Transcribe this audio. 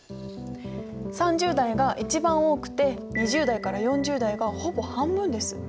３０代が一番多くて２０代から４０代がほぼ半分です。